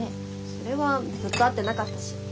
それはずっと会ってなかったし。